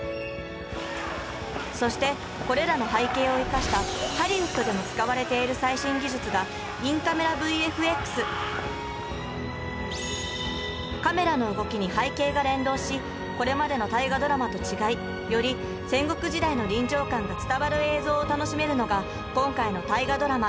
そしてこれらの背景を生かしたハリウッドでも使われているカメラの動きに背景が連動しこれまでの「大河ドラマ」と違いより戦国時代の臨場感が伝わる映像を楽しめるのが今回の大河ドラマ